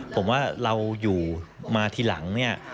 ผมว่าเราอยู่มาทีหลังเนี่ย